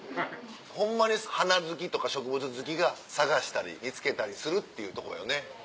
ホンマに花好きとか植物好きが探したり見つけたりするっていうとこよね。